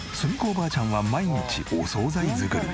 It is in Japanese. おばあちゃんは毎日お惣菜作り。